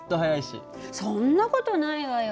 そんな事ないわよ。